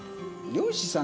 漁師さん。